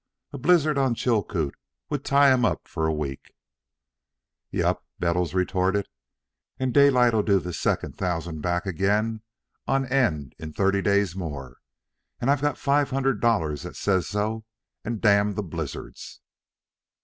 A blizzard on Chilcoot would tie him up for a week." "Yep," Bettles retorted, "an' Daylight'll do the second thousand back again on end in thirty days more, and I got five hundred dollars that says so, and damn the blizzards."